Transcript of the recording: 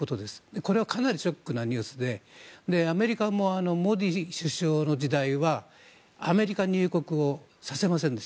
これはかなりショックなニュースでアメリカもモディ首相の時代はアメリカに入国をさせませんでした。